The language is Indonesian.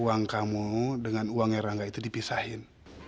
uang kamu dengan uangnya rangga itu dipisahin